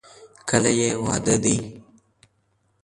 کله یې واده دی؟